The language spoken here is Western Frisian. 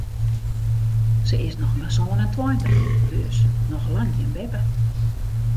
Se is noch mar sân en tweintich, dus noch lang gjin beppe.